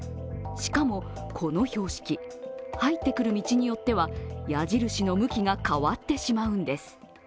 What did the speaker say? しかも、この標識、入ってくる道によっては、矢印の向きが変わってしまうんです。